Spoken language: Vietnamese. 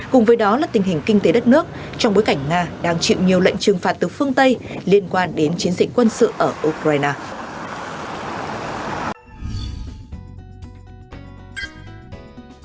cùng với đó là tình hình kinh tế đất nước trong bối cảnh nga đang chịu nhiều lệnh trừng phạt từ phương tây liên quan đến chiến dịch quân sự ở ukraine